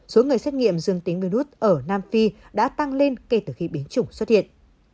số người xét nghiệm dương tính virus ở nam phi đã tăng lên kể từ khi biến chủng xuất hiện